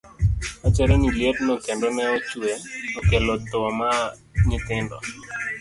Wachore ni lietno kendo ne ochwe okelo thoo mar nyithindo .